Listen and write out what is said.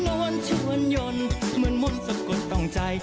นอนชวนยนต์เหมือนมนต์สะกดต้องใจ